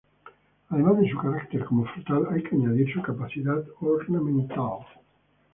Además de su carácter como frutal hay que añadir su capacidad ornamental.